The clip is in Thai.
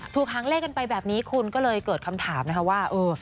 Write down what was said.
หางเลขกันไปแบบนี้คุณก็เลยเกิดคำถามนะคะว่าเออ